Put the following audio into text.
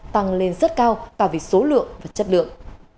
tăng lên rất cao cả về số lượng và chất lượng